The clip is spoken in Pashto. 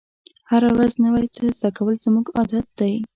هره ورځ نوی څه زده کول زموږ عادت دی.